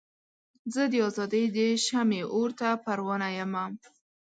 زه د ازادۍ د شمعې اور ته پروانه یمه.